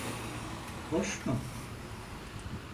Hoş mu?